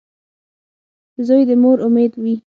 • زوی د مور امید وي.